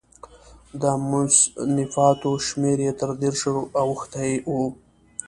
د مصنفاتو شمېر یې تر دېرشو اوښتی و.